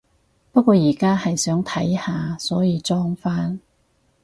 不過而家係想睇下，所以裝返